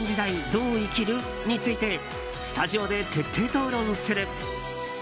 どう生きる？についてスタジオで徹底討論する。